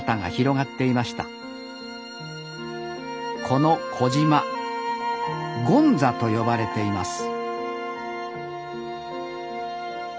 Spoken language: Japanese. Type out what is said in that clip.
この小島「権座」と呼ばれています